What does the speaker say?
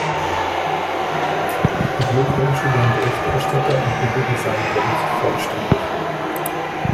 Ich beglückwünsche den Berichterstatter und billige seinen Bericht vollständig.